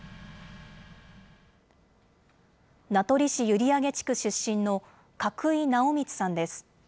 名取市閖上地区出身の格井直光さんです。